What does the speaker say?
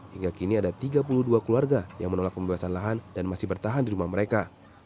hingga kini ada tiga puluh dua keluarga yang menolak pembebasan lahan dan masih bertahan di rumah mereka